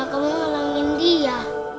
nah kamu ngelangin dia